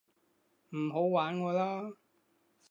唔好玩我啦